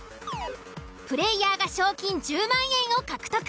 プレイヤーが賞金１０万円を獲得。